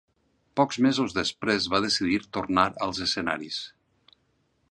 Pocs mesos després va decidir tornar als escenaris.